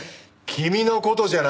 君の事じゃない。